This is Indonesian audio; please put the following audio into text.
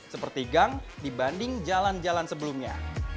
seperti gang dibanding jalan jalan sebelumnya